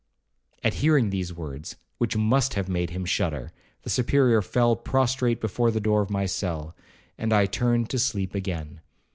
At hearing these words, which must have made him shudder, the Superior fell prostrate before the door of my cell, and I turned to sleep again.